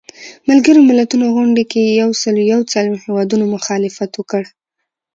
ملګرو ملتونو غونډې کې یو سلو یو څلویښت هیوادونو مخالفت وکړ.